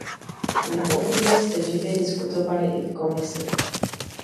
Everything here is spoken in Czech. Nepochybně jste živě diskutovali i v Komisi.